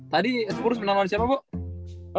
tadi spurs menang dari siapa bo